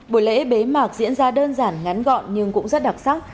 buổi lễ bế mạc diễn ra đơn giản ngắn gọn nhưng cũng rất đặc sắc